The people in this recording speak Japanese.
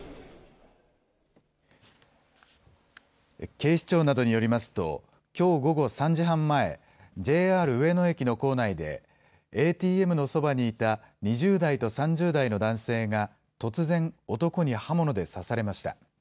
警視庁などによりますと、きょう午後３時半前、ＪＲ上野駅の構内で、ＡＴＭのそばにいた２０代と３０代の男性が、突然、男に刃物で刺されました。